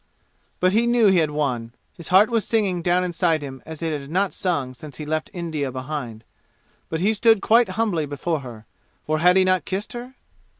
But he knew he had won. His heart was singing down inside him as it had not sung since he left India behind. But he stood quite humbly before her, for had he not kissed her?